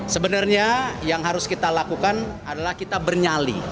sebenarnya yang harus kita lakukan adalah kita bernyali